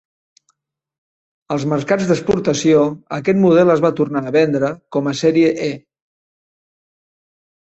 Als mercats d'exportació aquest model es va tornar a vendre com a sèrie E.